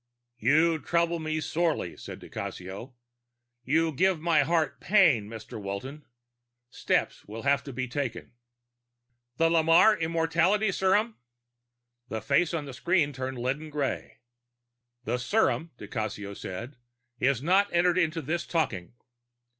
"You trouble me sorely," said di Cassio. "You give my heart pain, Mr. Walton. Steps will have to be taken." "The Lamarre immortality serum " The face on the screen turned a leaden gray. "The serum," di Cassio said, "is not entered into this talking."